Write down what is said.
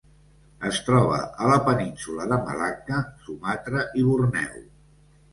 Es troba a la península de Malacca, Sumatra i Borneo.